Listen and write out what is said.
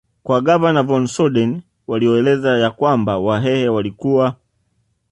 kwa Gavana Von soden walioeleza ya kwamba wahehe walikuwa